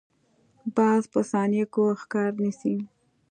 باز په ثانیو کې ښکار نیسي